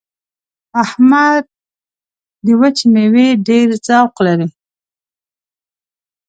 احمد د وچې مېوې ډېر ذوق لري.